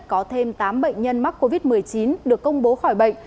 có thêm tám bệnh nhân mắc covid một mươi chín được công bố khỏi bệnh